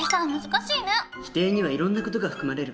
否定にはいろんな事が含まれるからね。